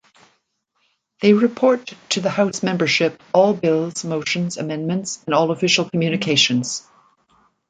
They report to the House membership all bills, motions, amendments, and all official communications.